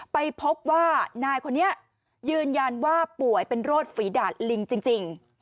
ไปพบว่านายคนนี้ยืนยันว่าป่วยเป็นโรคฝีดาดลิงจริง